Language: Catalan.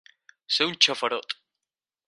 Ser un xafarot.